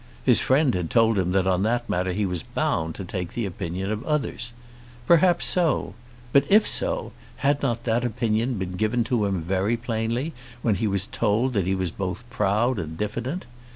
His friend had told him that on that matter he was bound to take the opinion of others. Perhaps so. But if so, had not that opinion been given to him very plainly when he was told that he was both proud and diffident?